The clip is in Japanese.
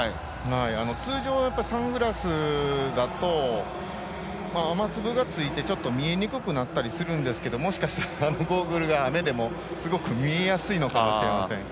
通常、サングラスだと雨粒がついてちょっと見えにくくなったりするんですけどもしかしたらあのゴーグルが雨でもすごく見えやすいのかもしれません。